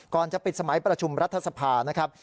ก่อนจะปิดสมัยประชุมรัฐสภานะครับ